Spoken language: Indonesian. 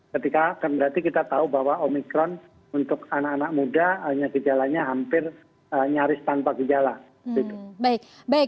ketika kita tahu bahwa omicron untuk anak anak muda nyeri tanpa gejala